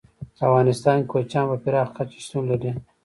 په افغانستان کې کوچیان په پراخه کچه شتون لري.